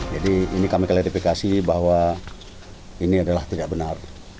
jadi ini kami klartifikasi bahwa ini adalah tidak benar